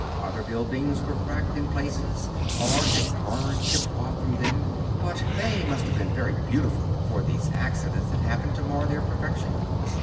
Other buildings were cracked in places or had corners chipped off from them; but they must have been very beautiful before these accidents had happened to mar their perfection.